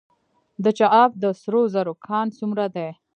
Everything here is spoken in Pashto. د چاه اب د سرو زرو کان څومره دی؟